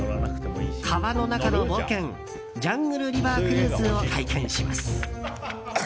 川の中の冒険ジャングル・リバー・クルーズを体験します。